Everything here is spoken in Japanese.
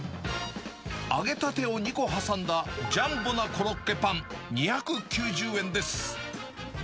揚げたてを２個挟んだジャンボなコロッケパン２９０円です。